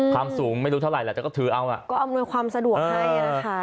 ความสูงไม่รู้เท่าไหร่แต่ก็ถือเอาอ่ะก็อำนวยความสะดวกให้นะคะ